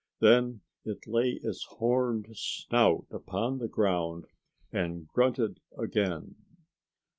Then it lay its horned snout upon the ground, and grunted again.